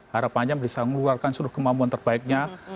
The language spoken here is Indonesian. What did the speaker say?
harapannya bisa mengeluarkan seluruh kemampuan terbaiknya